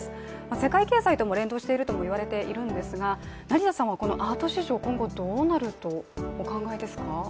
世界経済とも連動しているとも言われているんですが、成田さんはこのアート市場今後どうなるとお考えですか？